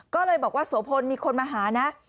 ก็เลยบอกว่าโสพลมีคนมาหานะ